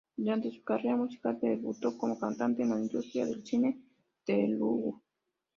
Durante su carrera musical, debutó como cantante en la industria del cine telugu.